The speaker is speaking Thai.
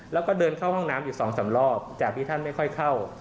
แล้วก็เดินเข้าห้องน้ำอยู่๒๓รอบจากที่ท่านไม่ค่อยเข้า